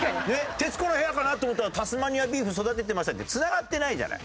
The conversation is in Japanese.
「『徹子の部屋』かなと思ったらタスマニアビーフ育ててました」って繋がってないじゃない。